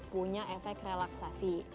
punya efek relaksasi